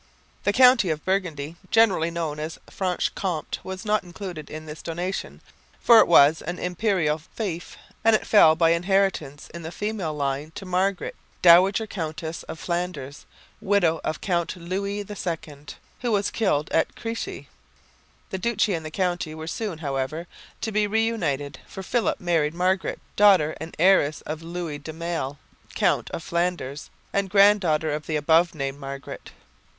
The county of Burgundy, generally known as Franche Comté, was not included in this donation, for it was an imperial fief; and it fell by inheritance in the female line to Margaret, dowager Countess of Flanders, widow of Count Louis II, who was killed at Crécy. The duchy and the county were soon, however, to be re united, for Philip married Margaret, daughter and heiress of Louis de Male, Count of Flanders, and granddaughter of the above named Margaret.